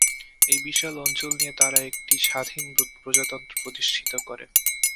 এই বিশাল অঞ্চল নিয়ে তারা একটি স্বাধীন প্রজাতন্ত্র প্রতিষ্ঠিত করে।